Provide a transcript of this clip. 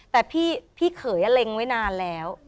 แต่พี่เขยเล็งไว้นานแล้ว